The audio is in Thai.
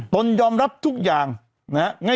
ตนยอมรับทุกอย่างนะฮะ